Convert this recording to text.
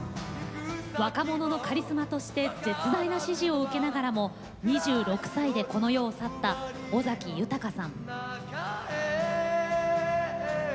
若者のカリスマとして絶大な支持を受けながらも２６歳でこの世を去った尾崎豊さん。